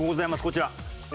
こちら。